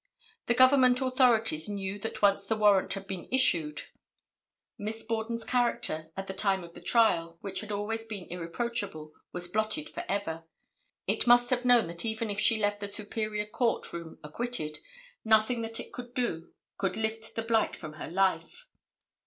The government authorities knew that once the warrant had been issued, Miss Borden's character, at the time of trial which had always been irreproachable, was blotted forever; it must have known that even if she left the Superior Court room acquitted, nothing that it could do could lift the blight from her life.